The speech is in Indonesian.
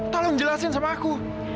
tolong jelasin sama aku